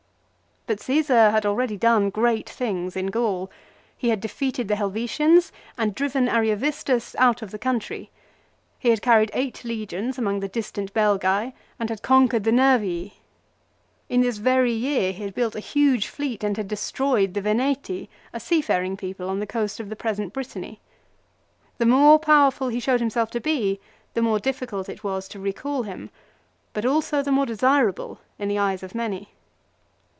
But CaBsar had already done great things in Gaul. He had defeated the Helvetians and driven Ariovistus out of the country. He had carried eight legions among the distant Belgse, and had conquered the Nervii. In this very year he had built a huge fleet and had destroyed the Veneti, a sea faring people on the coast of the present Brittany. The more powerful he showed himself to be, the more difficult it was to recall him, but also the more desirable in the eyes of many.